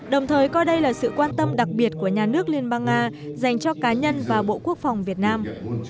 đồng thời coi đây là sự quan tâm đặc biệt của nhà nước liên bang nga dành cho cá nhân và bộ quốc phòng việt nam